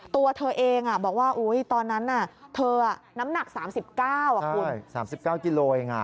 ตัวเธอเองอ่ะบอกว่าตอนนั้นน่ะเธอน้ำหนักสามสิบเก้าสามสิบเก้ากิโลเองอ่ะ